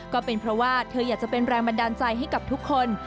ก็เป็นเพราะว่าเธออยากจะเป็นแรงบันดาลใจให้กับทุกคน